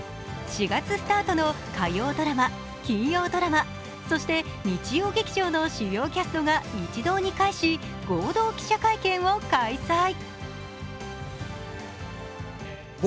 ４月スタートの火曜ドラマ、金曜ドラマ、そして日曜劇場の主要キャストが一堂に会し、合同記者会見を開催。